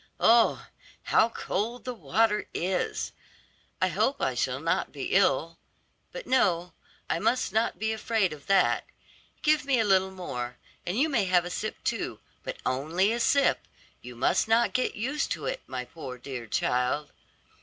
Oh, how cold the water is! I hope I shall not be ill. But no, I must not be afraid of that. Give me a little more, and you may have a sip too, but only a sip; you must not get used to it, my poor, dear child."